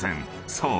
［そう。